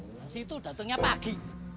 di situ datenginya pagi